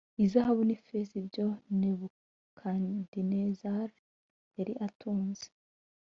izahabu n ifeza ibyo Nebukadinezari yari atunze